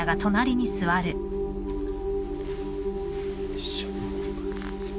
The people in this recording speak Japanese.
よいしょ。